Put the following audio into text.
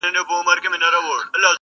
• مخ یې ونیوۍ د لیري وطن لورته -